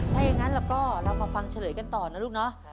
ถ้าอย่างนั้นเราก็เรามาฟังเฉลยกันต่อนะลูกเนาะ